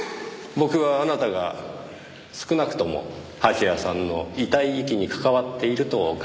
僕はあなたが少なくとも蜂矢さんの遺体遺棄に関わっていると考えています。